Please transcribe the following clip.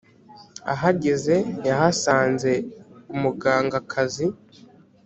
ahageze yahasanze umugangakazi